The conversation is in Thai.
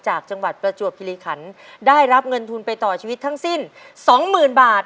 จากจังหวัดประจวบคิริขันได้รับเงินทุนไปต่อชีวิตทั้งสิ้นสองหมื่นบาท